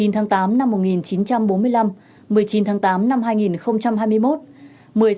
một mươi tháng tám năm một nghìn chín trăm bốn mươi năm một mươi chín tháng tám năm hai nghìn hai mươi một